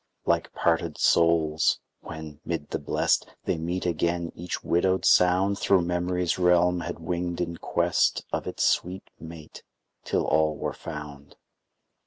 Like parted souls, when, mid the Blest They meet again, each widowed sound Thro' memory's realm had winged in quest Of its sweet mate, till all were found.